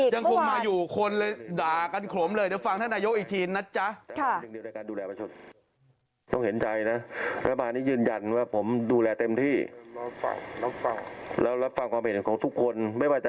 ยังมีอีกเมื่อวานยังคงมาอยู่คนดากันโขลมเลย